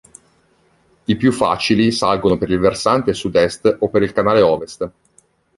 I più facili salgono per il versante Sud-Est o per il canale Ovest.